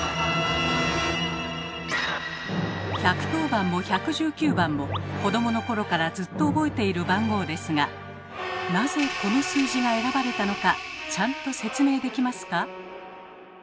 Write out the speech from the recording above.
１１０番も１１９番も子どもの頃からずっと覚えている番号ですがなぜこの数字が選ばれたのかちゃんと説明できますか？